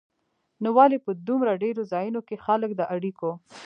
نو ولې په دومره ډېرو ځایونو کې خلک د اړیکو